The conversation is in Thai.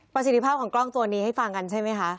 สิทธิภาพของกล้องตัวนี้ให้ฟังกันใช่ไหมคะ